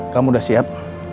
kamu udah siap